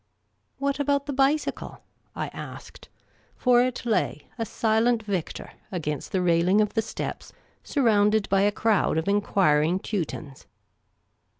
" What about the bicycle ?" I asked ; for it lay, a silent victor, against the railing of the steps, surrounded by a crowd of enquiring Teutons.